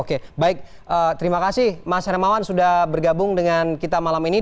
oke baik terima kasih mas hermawan sudah bergabung dengan kita malam ini